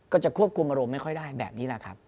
ก็จะควบคุมอารมณ์ไม่ค่อยได้แบบนี้แหละครับ